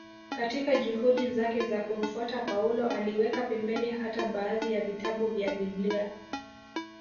Katika juhudi zake za kumfuata Paulo aliweka pembeni hata baadhi ya vitabu vya Biblia